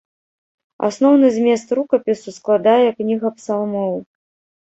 Асноўны змест рукапісу складае кніга псалмоў.